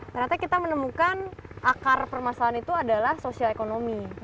ternyata kita menemukan akar permasalahan itu adalah sosial ekonomi